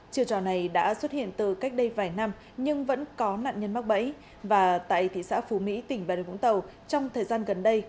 chiều trò này đã xuất hiện từ cách đây vài năm nhưng vẫn có nạn nhân mắc bẫy và tại thị xã phú mỹ tỉnh bà điều vũng tàu trong thời gian gần đây